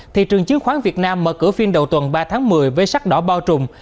thị trường chứng khoán việt nam mở cửa phiên đầu tuần ba tháng một mươi với sắc đỏ bao trùm